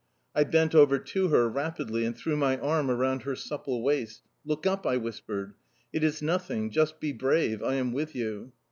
I bent over to her rapidly and threw my arm around her supple waist. "Look up!" I whispered. "It is nothing; just be brave! I am with you."